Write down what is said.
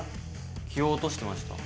気を落としてました。